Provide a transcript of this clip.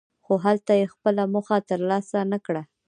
خو هلته یې خپله موخه ترلاسه نکړه.